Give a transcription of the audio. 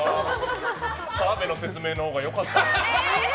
澤部の説明のほうがよかった。